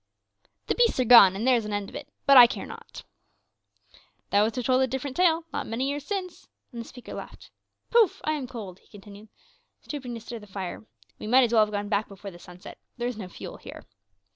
"The beasts are gone, and there is an end of it; but I care not." "Thou wouldst have told a different tale not many years since." And the speaker laughed. "Poof! I am cold," he continued, stooping to stir the fire. "We might as well have gone back before the sun set; there is no fuel here."